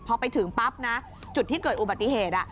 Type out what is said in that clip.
พอไปถึงปั๊บนะจุดที่เกิดอุบัติเหตุ